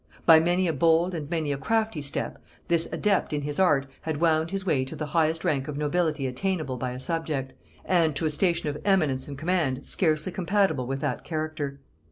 By many a bold and many a crafty step this adept in his art had wound his way to the highest rank of nobility attainable by a subject, and to a station of eminence and command scarcely compatible with that character.